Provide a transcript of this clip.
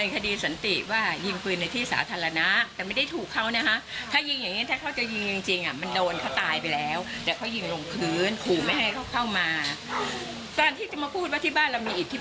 การที่จะมาพูดว่าที่บ้านเรามีอิทธิพลเป็นจำลวดเก่าอิทธิพล